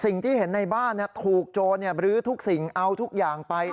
สิ่งที่เห็นในบ้านถูกโจรบรื้อทุกสิ่งเอาทุกอย่างไป